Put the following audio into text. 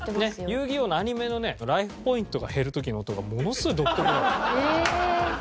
『遊戯王』のアニメのねライフポイントが減る時の音がものすごい独特なの。ええーっ。